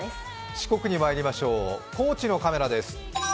四国にまいりましょう、高知のカメラです。